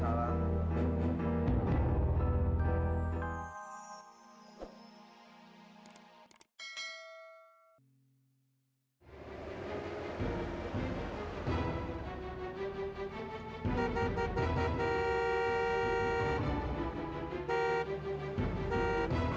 enggak enggak enggak